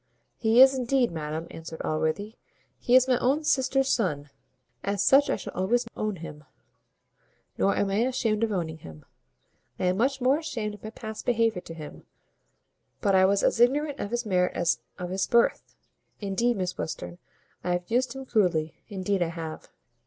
"He is, indeed, madam," answered Allworthy; "he is my own sister's son as such I shall always own him; nor am I ashamed of owning him. I am much more ashamed of my past behaviour to him; but I was as ignorant of his merit as of his birth. Indeed, Miss Western, I have used him cruelly Indeed I have."